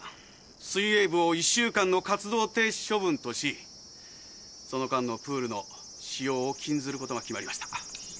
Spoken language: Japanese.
水泳部を１週間の活動停止処分としその間のプールの使用を禁ずることが決まりました。